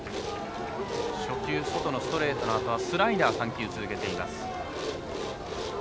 初球外のストレートのあとはスライダーを３球続けています。